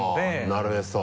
なるへそ。